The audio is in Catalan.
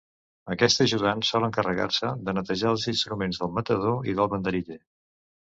Aquest ajudant sol encarregar-se de netejar els instruments del matador i del banderiller.